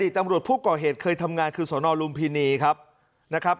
อดีตตำรวจผู้ก่อเหตุเคยทำงานคือสนรุมพินีครับ